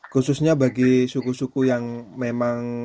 khususnya bagi suku suku yang memang